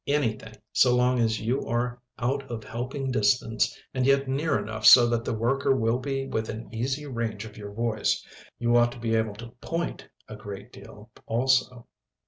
Anything so long as you are out of helping distance and yet near enough so that the worker will be within easy range of your voice. You ought to be able to point a great deal, also.